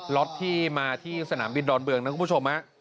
็อตที่มาที่สนามบินดอนเมืองนะคุณผู้ชม